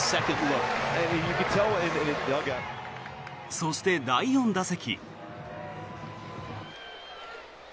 そして第４打席。